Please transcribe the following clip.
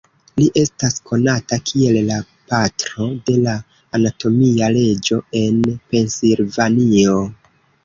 Li estas konata kiel la "Patro de la Anatomia Leĝo" en Pensilvanio.